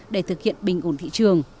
để thực hiện bình ổn thị trường